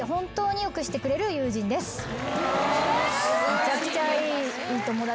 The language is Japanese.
めちゃくちゃいい友達。